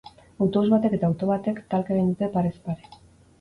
Autobus batek eta auto batek talka egin dute parez pare.